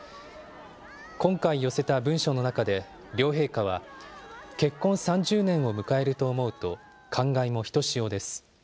今回寄せた文書の中で両陛下は、結婚３０年を迎えると思うと感慨もひとしおです。